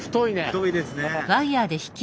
太いですね。